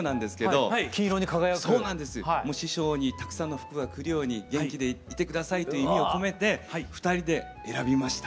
もう師匠にたくさんの福が来るように元気でいて下さいという意味を込めて２人で選びました。